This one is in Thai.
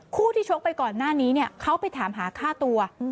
คู่ที่ชกไปก่อนหน้านี้เนี่ยเขาไปถามหาค่าตัว